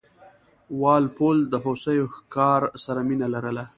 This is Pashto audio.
وال پول د هوسیو ښکار سره مینه لرله.